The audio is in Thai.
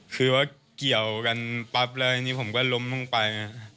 คือว่าเกี่ยวกันปั๊บเลยนี่ผมก็ล้มลงไป